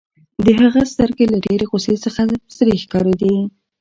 د هغه سترګې له ډېرې غوسې څخه سرې ښکارېدې.